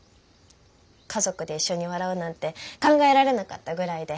家族で一緒に笑うなんて考えられなかったぐらいで。